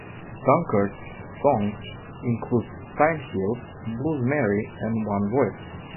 Dankert's songs include "Time Heals", "Blues Mary", and "One Voice".